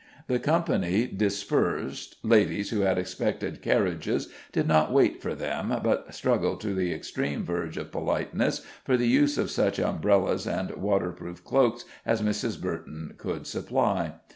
The company dispersed: ladies who had expected carriages did not wait for them, but struggled to the extreme verge of politeness for the use of such umbrellas and waterproof cloaks as Mrs. Burton could supply.